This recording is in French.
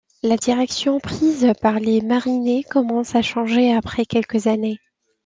La direction prise par les Mariners commence à changer après quelques années.